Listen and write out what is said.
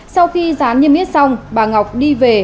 sau khi rán niêm yết xong bà ngọc đi về